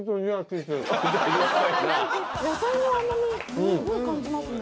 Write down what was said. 野菜の甘味すごい感じますね。